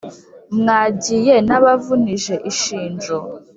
Mwagiye nabavunije ishinjo